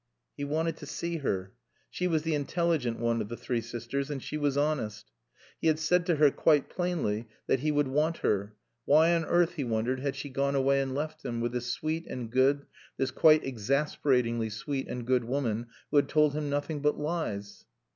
He wanted to see her. She was the intelligent one of the three sisters, and she was honest. He had said to her quite plainly that he would want her. Why, on earth, he wondered, had she gone away and left him with this sweet and good, this quite exasperatingly sweet and good woman who had told him nothing but lies?